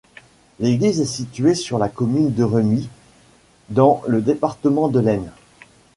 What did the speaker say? L'église est située sur la commune de Remies, dans le département de l'Aisne.